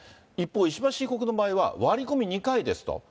一方、石橋被告の場合は、割り込み２回ですと。